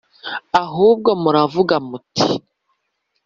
Ahubwo muravuga muti